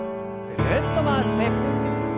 ぐるっと回して。